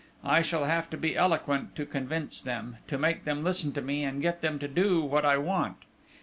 I shall have to be eloquent to convince them, to make them listen to me and get them to do what I want.